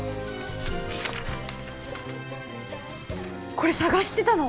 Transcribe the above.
これ捜してたの！